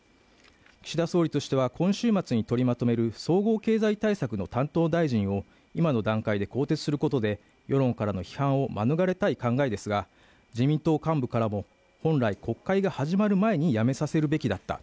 岸田総理としては、今週末に取りまとめる総合経済対策の担当大臣を今の段階で更迭することで世論からの批判を免れたい考えですが自民党幹部からも本来、国会が始まる前に辞めさせるべきだった。